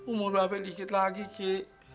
umur mbak be dikit lagi ki